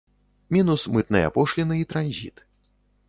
Мінус мытныя пошліны і транзіт.